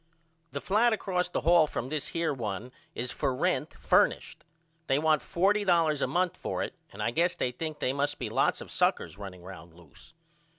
The flat across the hall from this here one is for rent furnished. They want $40 a month for it and I guess they think they must be lots of suckers running round loose.